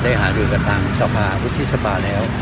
ได้หารือกระต่างสะพะหานวัคทศกรรมแล้ว